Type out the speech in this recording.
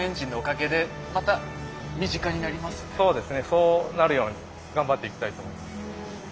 そうなるように頑張っていきたいと思います。